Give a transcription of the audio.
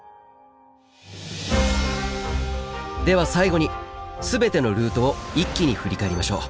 では最後に全てのルートを一気に振り返りましょう。